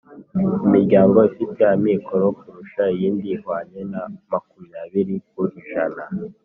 imiryango ifite amikoro kurusha iyindi ihwanye na makumyabiri ku ijana